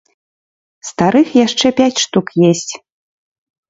Старых яшчэ пяць штук есць.